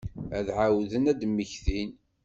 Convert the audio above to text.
Ad ɛawden ad d-mmektin.